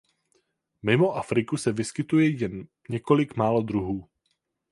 Mimo afriku se vyskytuje jen několik málo druhů.